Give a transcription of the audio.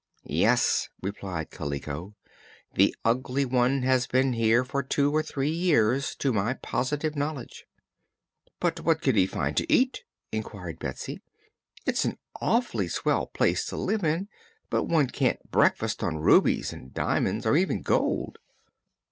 "Yes," replied Kaliko. "The Ugly One has been here for two or three years, to my positive knowledge." "But what could he find to eat?" inquired Betsy. "It's an awfully swell place to live in, but one can't breakfast on rubies and di'monds, or even gold."